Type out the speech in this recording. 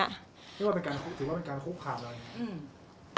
ถือว่าเป็นการคุกขาดอะไร